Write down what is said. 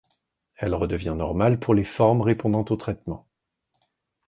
Elle redevient normale pour les formes répondant au traitement.